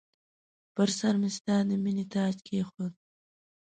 پر سرمې ستا د مییني تاج کښېښود